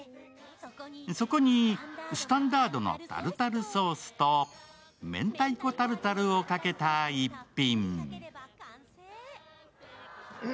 そこにスタンダードのタルタルソースと明太子タルタルをかけた逸品。